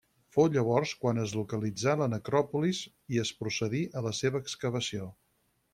Fou llavors quan es localitzà la necròpolis i es procedí a la seva excavació.